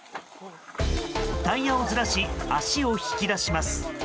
タイヤをずらし足を引き出します。